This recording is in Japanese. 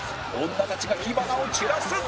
女たちが火花を散らす